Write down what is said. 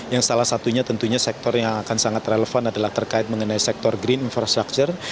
yang salah satunya tentunya sektor yang akan sangat relevan adalah terkait mengenai sektor green infrastructure